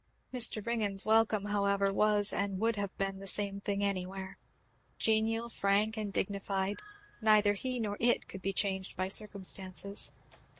Mr. Ringgan's welcome, however, was and would have been the same thing anywhere genial, frank, and dignified; neither he nor it could be changed by circumstances.